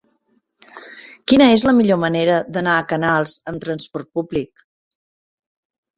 Quina és la millor manera d'anar a Canals amb transport públic?